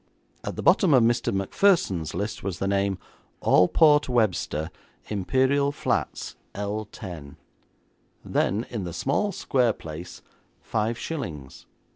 At the bottom of Mr. Macpherson's list was the name Alport Webster, Imperial Flats, £10; then in the small, square place, five shillings.